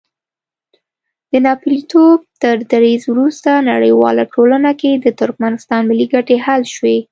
د ناپېیلتوب تر دریځ وروسته نړیواله ټولنه کې د ترکمنستان ملي ګټې حل شوې.